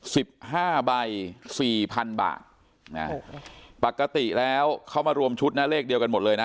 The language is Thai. สิบห้าใบสี่พันบาทนะปกติแล้วเขามารวมชุดนะเลขเดียวกันหมดเลยนะ